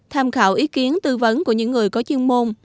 tham khảo ý kiến tư vấn của những người có chuyên môn